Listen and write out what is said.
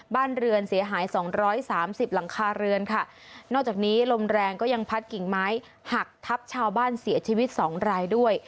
บ้านเรือนเสียหายสองร้อยสามสิบหลังคาเรือนค่ะนอกจากนี้ลมแรงก็ยังพัดกิ่งไม้หักทับชาวบ้านเสียชีวิตสองรายด้วย